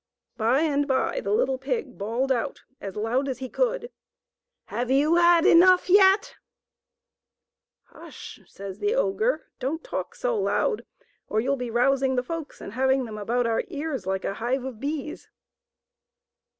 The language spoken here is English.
By and by the little pig bawled out as loud as he could, '' Have you fuui enough yet f "" Hush sh sh sh sh sh sh !" says the ogre, "don't talk so loud, or you'll be rousing the folks and having them about our ears like a hive of bees."